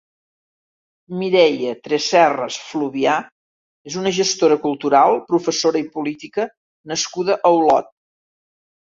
Mireia Tresserras Fluvià és una gestora cultural, professora i política nascuda a Olot.